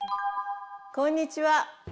こんにちは。